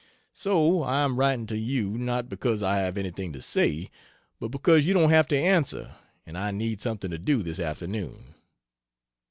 So I am writing to you not because I have anything to say, but because you don't have to answer and I need something to do this afternoon.....